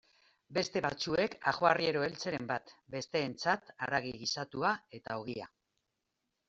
Beste batzuek ajoarriero eltzeren bat, besteentzat haragi gisatua eta ogia.